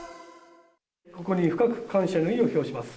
ここに深く感謝の意を表します。